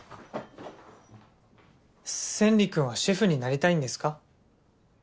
千利くんはシェフになりたいんですか？